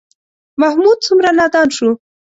محمود څومره نادان شو.